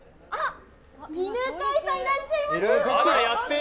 犬飼さんいらっしゃいましたよ。